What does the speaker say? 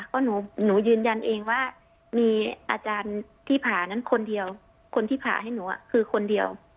เพราะหนูยืนยันเองว่ามีอาจารย์ที่ผ่านั้นคนเดียวคนที่ผ่าให้หนูคือคนเดียว